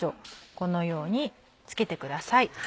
このように付けてください。